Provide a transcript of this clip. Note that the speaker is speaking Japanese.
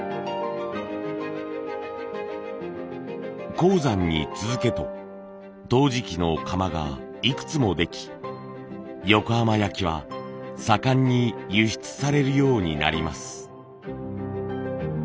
香山に続けと陶磁器の窯がいくつもでき横浜焼は盛んに輸出されるようになります。